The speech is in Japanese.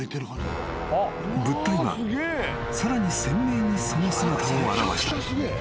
［物体はさらに鮮明にその姿を現した］